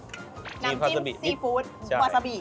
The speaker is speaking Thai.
น้ำจิ้มซีฟู้ดวาซาบิ